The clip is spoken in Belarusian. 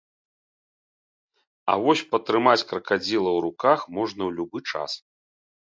А вось патрымаць кракадзіла ў руках можна ў любы час.